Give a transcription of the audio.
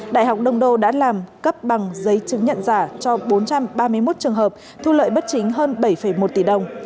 đại học đông đô đã làm cấp bằng giấy chứng nhận giả cho bốn trăm ba mươi một trường hợp thu lợi bất chính hơn bảy một tỷ đồng